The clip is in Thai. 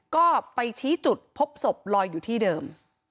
ก็ไปชี้จุดพบศพลอยอยู่ที่เดิม